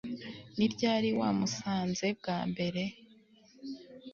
Ni ryari wamusanze bwa mbere